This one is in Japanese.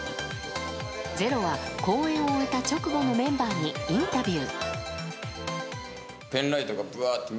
「ｚｅｒｏ」は公演を終えた直後のメンバーにインタビュー。